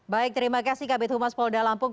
baik terima kasih kabit humas polda lampung